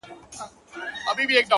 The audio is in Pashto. په سپينه زنه كي خال ووهي ويده سمه زه ـ